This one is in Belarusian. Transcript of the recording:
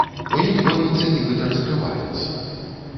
У ім гомельцы нібыта раскрываюцца.